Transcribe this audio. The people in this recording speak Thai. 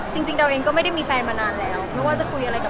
จริงตัวเองก็ไม่ได้มีเมื่อเวลา